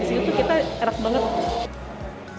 di sini tuh kita enak banget